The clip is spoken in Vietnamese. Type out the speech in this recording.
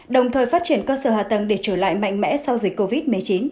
đồng thời phát triển cơ sở hạ tầng để trở lại mạnh mẽ sau dịch covid một mươi chín